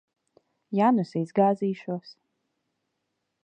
Ja nu es izgāzīšos?